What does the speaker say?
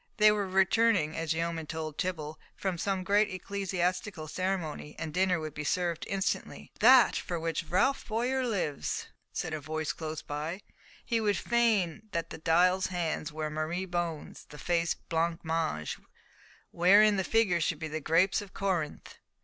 They were returning, as a yeoman told Tibble, from some great ecclesiastical ceremony, and dinner would be served instantly. "That for which Ralf Bowyer lives!" said a voice close by, "He would fain that the dial's hands were Marie bones, the face blancmange, wherein the figures should be grapes of Corinth!"